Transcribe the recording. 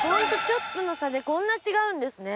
ちょっとの差でこんな違うんですね。